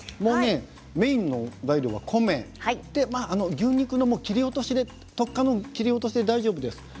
メインの材料は米牛肉の切り落とし特価の切り落としで大丈夫です。